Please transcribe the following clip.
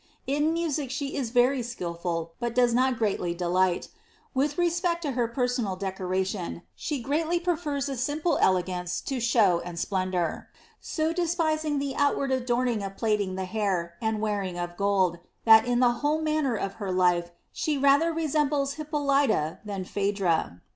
In music she in very skilful, but does not greatly delight With respect to personal decoration, she greatly prefers a simple elegance, to show and splendour, so despising the outward adorning of plaiting the hair and wearing of gold, that in the whole manner of her life she rather resem bles Hippolyta than Phsdra.